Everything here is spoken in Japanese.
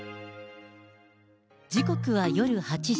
時刻は夜８時。